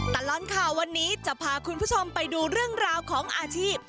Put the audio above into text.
ตลอดข่าววันนี้จะพาคุณผู้ชมไปดูเรื่องราวของอาชีพ